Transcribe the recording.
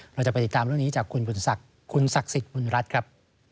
เราจะไปติดตามเรื่องนี้จากคุณสักษิตบุญรัฐครับ